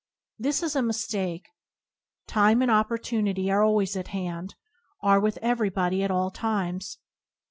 This is a mistake. Time and oppor tunity are always at hand, are with every body at all times.